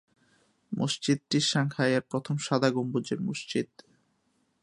মসজিদটি সাংহাইয়ের প্রথম সাদা গম্বুজের মসজিদ।